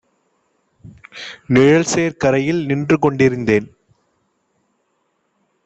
நிழல்சேர் கரையில் நின்றுகொண் டிருந்தேன்